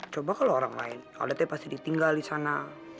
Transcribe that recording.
coba kalau orang lain alda pasti ditinggal disana